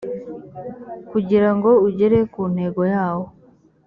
kugirango ugere ku ntego yawo